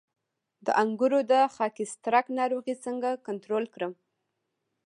د انګورو د خاکسترک ناروغي څنګه کنټرول کړم؟